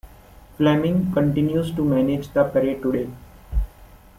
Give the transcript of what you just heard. Fleming continues to manage the parade today.